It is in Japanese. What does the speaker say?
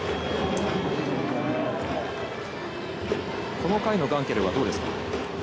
この回のガンケルはどうですか？